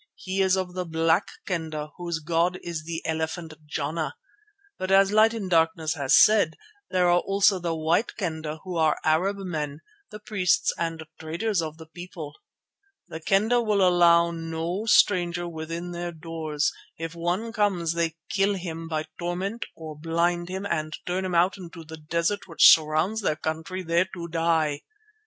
He is of the Black Kendah whose god is the elephant Jana, but as Light in Darkness has said, there are also the White Kendah who are Arab men, the priests and traders of the people. The Kendah will allow no stranger within their doors; if one comes they kill him by torment, or blind him and turn him out into the desert which surrounds their country, there to die.